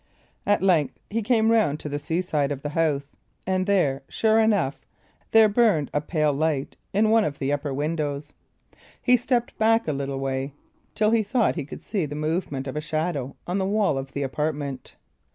At length he came round to the sea side of the house, and there, sure enough, there burned a pale light in one of the upper windows. He stepped back a little way, till he thought he could see the movement of a shadow on the wall of the apartment.